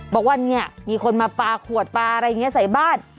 บอกว่าเนี่ยมีคนมาปลาขวดปลาอะไรอย่างนี้ใส่บ้าน